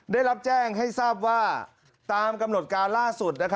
ได้รับแจ้งให้ทราบว่าตามกำหนดการล่าสุด